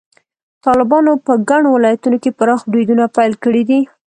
طالبانو په ګڼو ولایتونو کې پراخ بریدونه پیل کړي دي.